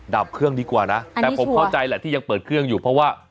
ดับเครื่องดีกว่านะแต่ผมเข้าใจแหละที่ยังเปิดเครื่องอยู่เพราะว่า